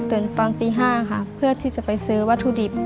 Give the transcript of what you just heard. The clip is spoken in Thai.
ตอนตี๕ค่ะเพื่อที่จะไปซื้อวัตถุดิบ